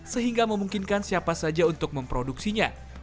sehingga memungkinkan siapa saja untuk memproduksinya